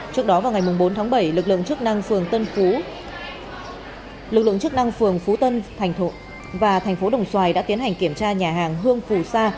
trước đó vào ngày bốn tháng bảy lực lượng chức năng phường phú tân thành thụ và tp đồng xoài đã tiến hành kiểm tra nhà hàng hương phù sa